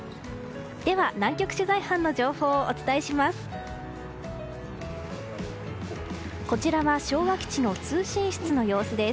では南極取材班の情報をお伝えします。